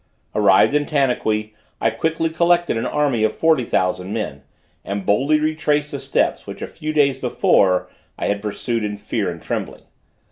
Arrived in Tanaqui, I quickly collected an army of forty thousand men, and boldly retraced the steps which a few days before I had pursued in fear and trembling.